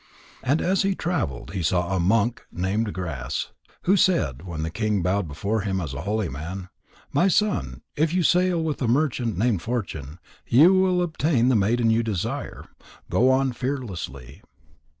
And as he travelled, he saw a monk named Grass, who said when the king bowed before him as a holy man: "My son, if you sail with a merchant named Fortune, you will obtain the maiden you desire. Go on fearlessly."